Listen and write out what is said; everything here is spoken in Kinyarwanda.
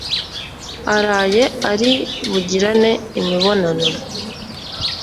araye ari bugirane imibonano